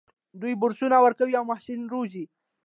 دوی بورسونه ورکوي او محصلین روزي.